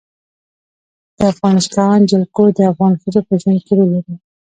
د افغانستان جلکو د افغان ښځو په ژوند کې رول لري.